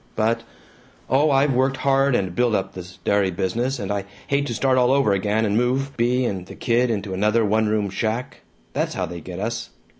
But oh, I've worked hard, and built up this dairy business, and I hate to start all over again, and move Bea and the kid into another one room shack. That's how they get us!